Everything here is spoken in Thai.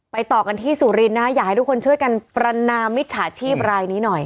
ต่อกันที่สุรินทร์นะอยากให้ทุกคนช่วยกันประนามมิจฉาชีพรายนี้หน่อย